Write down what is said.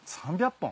３００本。